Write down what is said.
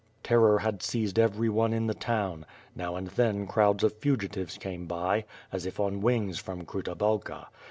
Terror had seized every one \\ the town. Now and then crowds of fugitives came by, as if on wings from Kruta Halka.